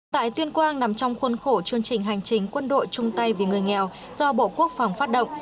tại tuyên quang nằm trong khuôn khổ chương trình hành trình quân đội trung tây vì người nghèo do bộ quốc phòng phát động